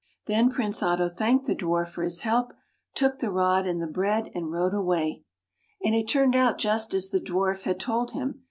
'' Then Prince Otto thanked the Dwarf for his help, took the rod and the bread and rode away. And it turned out just a& the Dwarf had told him.